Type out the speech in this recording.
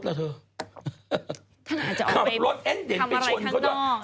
ขับรถเอ็นเด่นไปชนเขา